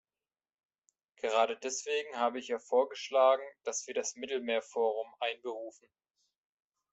Gerade deswegen habe ich ja vorgeschlagen, dass wir das Mittelmeerforum einberufen.